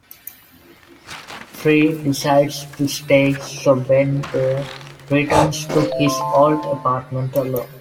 Fry decides to stay, so Bender returns to his old apartment alone.